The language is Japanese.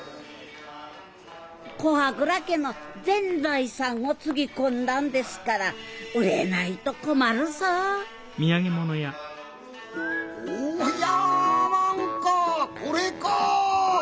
古波蔵家の全財産をつぎ込んだんですから売れないと困るさぁゴーヤーマンかぁこれかぁ！